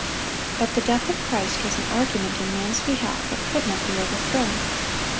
But the death of Christ was an argument in man's behalf that could not be overthrown.